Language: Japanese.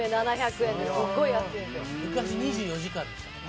「昔２４時間でしたからね」